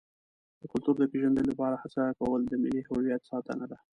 د کلتور د پیژندنې لپاره هڅه کول د ملي هویت ساتنه ده.